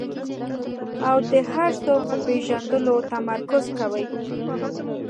او د هر څه په پېژندلو تمرکز کوي.